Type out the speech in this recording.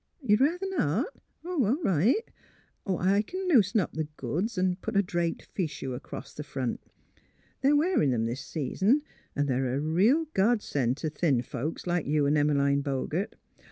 .. You'd ruther not ? Oh, all right, I c'n loosen up th' goods an' put a draped fichu across th' front. They're wearin' 'em this season, 'n' they're a real god send t' thin folks, like you an' Em 'line Bogert.